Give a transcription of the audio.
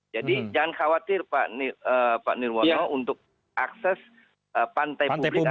jadi jangan khawatir pak nirwono untuk akses pantai publik